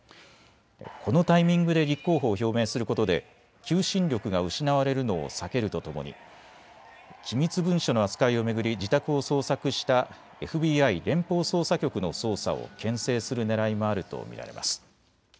このタイミングで立候補を表明することで求心力が失われるのを避けるとともに機密文書の扱いを巡り自宅を捜索したＦＢＩ・連邦捜査局の捜査をけん制するねらいもあると見られます。